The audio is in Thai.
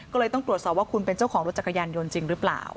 ก็เลยต้องตรวจสอบว่าคุณเป็นเจ้าของรถจักรยานยนต์จริงหรือเปล่า